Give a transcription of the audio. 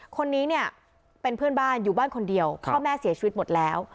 คนนี้เนี่ยเป็นเพื่อนบ้านอยู่บ้านคนเดียวพ่อแม่เสียชีวิตหมดแล้ว